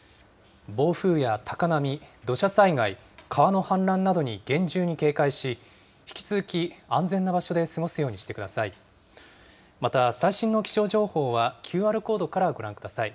暴風や高波、土砂災害、川の氾濫などに厳重に警戒し、引き続き安全な場所で過ごすようにしてください。